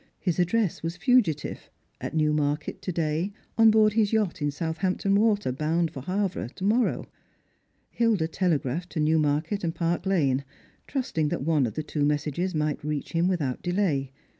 His address was fugitive ; at Newmar ket to day, on board his yacht in Southampton Water, bound for Havre, to morrow. Hilda telegraphed to Newmarket and Park lane, trusting that one of the two messages might reach him without delay.